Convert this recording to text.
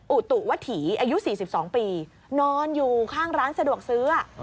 อุตุวถีอายุ๔๒ปีนอนอยู่ข้างร้านสะดวกซื้อ